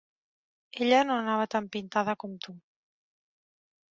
Ella no anava tan pintada com tu.